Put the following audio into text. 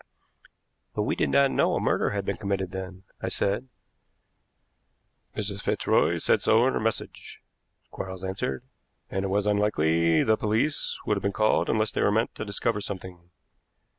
"But we did not know murder had been committed then," I said. "Mrs. Fitzroy said so in her message," Quarles answered, "and it was unlikely the police would have been called unless they were meant to discover something.